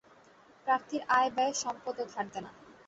প্রার্থীর আয় ব্যয়, সম্পদ ও ধারদেনা।